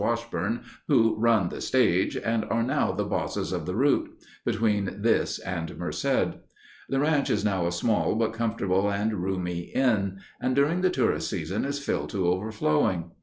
Washburn, who "run the stage," and are now the "bosses of the route" between this and Merced. The ranche is now a small but comfortable and roomy inn, and during the tourists' season is filled to overflowing.